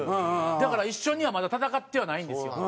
だから一緒にはまだ戦ってはないんですよ。